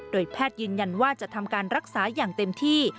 แพทย์ยืนยันว่าจะทำการรักษาอย่างเต็มที่